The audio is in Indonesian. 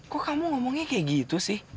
kok kamu ngomongnya kayak gitu sih